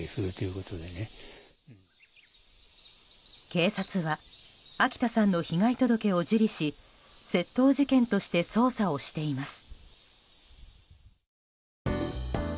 警察は秋田さんの被害届を受理し窃盗事件として捜査をしています。